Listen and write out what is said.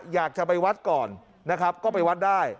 อยากจะไปวัดก่อนก็ไปวัดได้